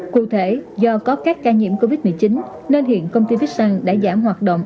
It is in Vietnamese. cụ thể do có các ca nhiễm covid một mươi chín nên hiện công ty vickson đã giảm hoạt động